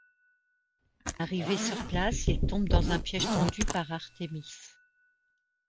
Arrivé sur place, il tombe dans un piège tendu par Artemis.